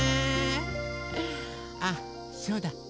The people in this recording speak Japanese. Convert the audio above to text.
あそうだ。